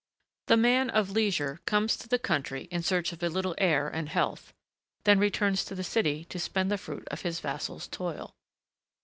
The man of leisure comes to the country in search of a little air and health, then returns to the city to spend the fruit of his vassal's toil.